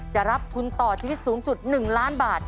จะรับทุนต่อชีวิตสูงสุด๑ล้านบาท